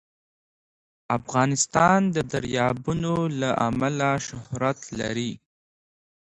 افغانستان د دریابونه له امله شهرت لري.